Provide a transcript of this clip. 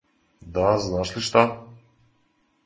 Да, знаш ли шта?